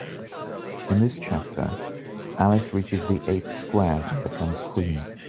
In this chapter, Alice reaches the eighth square and becomes Queen.